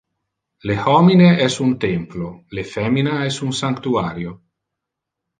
Le homine es un templo, le femina es un sanctuario.